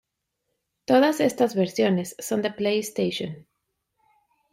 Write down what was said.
Todas estas versiones son de PlayStation.